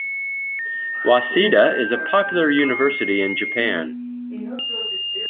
Waseda is a popular university in Japan.